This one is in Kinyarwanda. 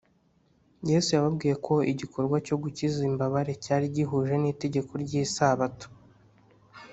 Yesu yababwiye ko igikorwa cyo gukiza imbabare cyari gihuje n’itegeko ry’Isabato.